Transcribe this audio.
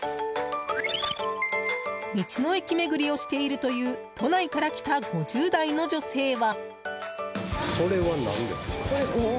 道の駅巡りをしているという都内から来た５０代の女性は。